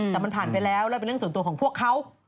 แต่มันผ่านไปแล้วแล้วเป็นเรื่องส่วนตัวของพวกเขา